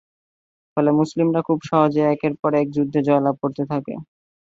ফলে মুসলিমরা খুব সহজেই একের পর এক যুদ্ধে জয়লাভ করতে থাকে।